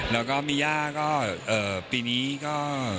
แล้วก็มีย่าก็ปีนี้ก็